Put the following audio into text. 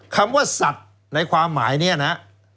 คำว่าสัตว์ในความหมายนี้นะ